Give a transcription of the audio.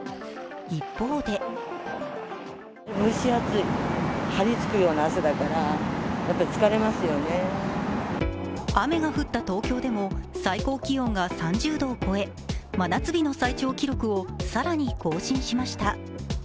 一方で雨が降った東京でも最高気温が３０度を超え、真夏日の最長記録を更に更新しました。